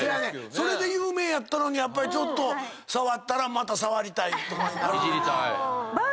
それで有名やったのにやっぱりちょっと触ったらまた触りたいとかになるねんな。